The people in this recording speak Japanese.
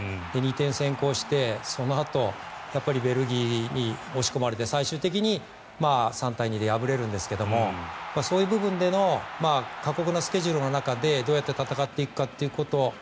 ２点先制してそのあとベルギーに押し込まれて最終的に３対２で敗れるんですけどそういう部分での過酷なスケジュールの中でどうやって戦っていくかということ。